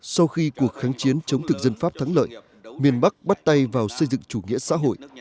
sau khi cuộc kháng chiến chống thực dân pháp thắng lợi miền bắc bắt tay vào xây dựng chủ nghĩa xã hội